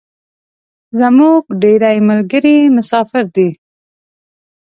زمونږ ډیری ملګري مسافر دی